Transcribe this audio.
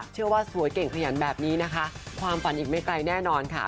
เชื่อว่าสวยเก่งขยันแบบนี้นะคะความฝันอีกไม่ไกลแน่นอนค่ะ